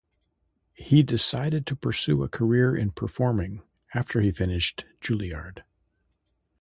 He decided to pursue a career in performing after he finished Juilliard.